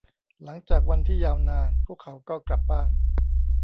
หลังจากวันที่ยาวนาน พวกเขาก็กลับบ้าน